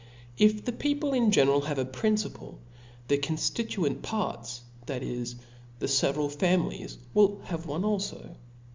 If the people in general have a principle, their coaftituent parts, that is, the f^veral* families, will have one alfo.